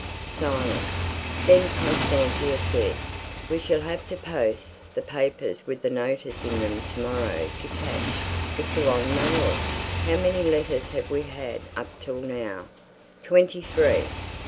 Silence. Then Constantia said, "We shall have to post the papers with the notice in them to morrow to catch the Ceylon mail.... How many letters have we had up till now?" "Twenty three."